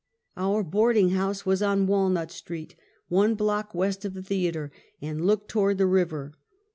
Our boarding house was on Walnut street, one block west of the theatre, and looked toward the river.